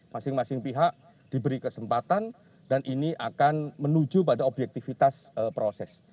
masing masing pihak diberi kesempatan dan ini akan menuju pada objektivitas proses